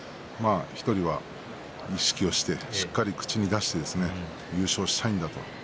１人は意識をしてしっかりと口に出して優勝したいんだと。